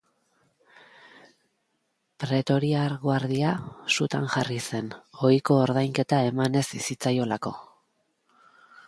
Pretoriar Guardia sutan jarri zen, ohiko ordainketa eman ez zitzaiolako.